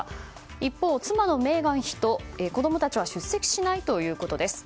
一方、妻のメーガン妃と子供たちは出席しないということです。